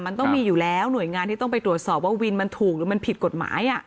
มันต้องมีอยู่แล้วหน่วยงานที่ต้องไปตรวจสอบว่าวินมันถูกหรือมันผิดกฎหมาย